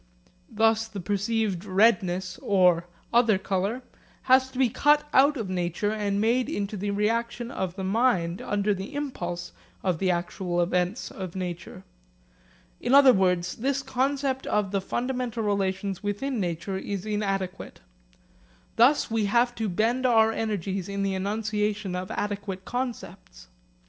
Thus the perceived redness or, other colour has to be cut out of nature and made into the reaction of the mind under the impulse of the actual events of nature. In other words this concept of the fundamental relations within nature is inadequate. Thus we have to bend our energies to the enunciation of adequate concepts.